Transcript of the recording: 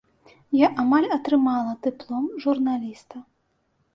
Я амаль атрымала дыплом журналіста.